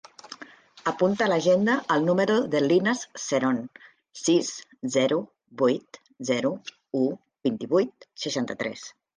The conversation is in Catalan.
Apunta a l'agenda el número de l'Inas Seron: sis, zero, vuit, zero, u, vint-i-vuit, seixanta-tres.